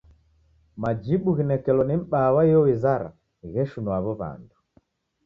Majibu ghinekelo ni m'baa wa iyo wizara gheshinua aw'o w'andu.